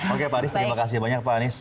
oke pak anies terima kasih banyak pak anies